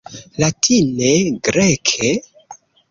Latine? Greke?